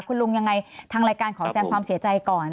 คุณลุงยังไงทางรายการขอแสงความเสียใจก่อน